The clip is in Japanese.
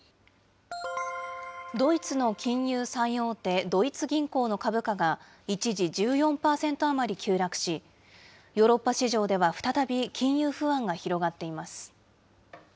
ドイツの金融最大手、ドイツ銀行の株価が、一時１４％余り急落し、ヨーロッパ市場では再び、金融不安が広がっています。